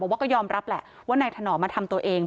ว่าก็ยอมรับแหละว่านายถนอมมาทำตัวเอง